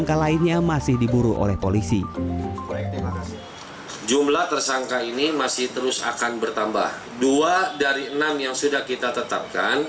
kalau untuk komunikasi alhamdulillah ya